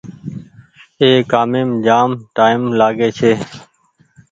اي ڪآميم جآم ٽآئيم لآگي ڇي۔